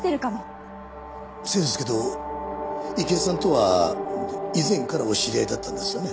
失礼ですけど池井さんとは以前からお知り合いだったんですよね？